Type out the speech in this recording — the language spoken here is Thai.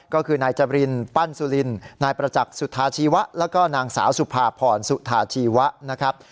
ก็คือนายจรินปั้นสุลินนายประจักษ์สุธาชีวะแล้วก็นางสาวสุภาพรสุธาชีวะนะครับ